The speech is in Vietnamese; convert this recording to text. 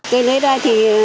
cơi nới ra thì